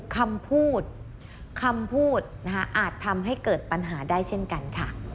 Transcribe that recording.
คำพูดคำพูดอาจทำให้เกิดปัญหาได้เช่นกันค่ะ